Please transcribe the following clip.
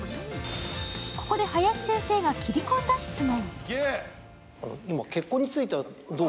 ここで林先生が切り込んだ質問。